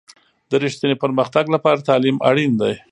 د رښتیني پرمختګ لپاره تعلیم اړین دی.